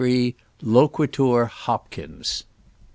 LOQUITUR HOPKINS.